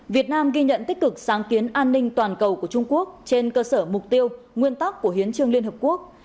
việt nam ghi nhận tích cực sáng kiến an ninh toàn cầu của trung quốc trên cơ sở mục tiêu nguyên tắc của hiến trương liên hợp quốc